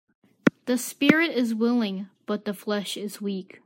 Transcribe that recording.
The spirit is willing but the flesh is weak.